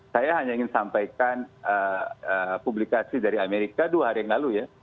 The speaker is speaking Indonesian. saya hanya ingin sampaikan publikasi dari amerika dua hari yang lalu ya